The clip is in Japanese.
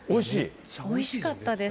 おいしかったです。